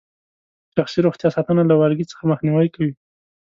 شخصي روغتیا ساتنه له والګي څخه مخنیوي کوي.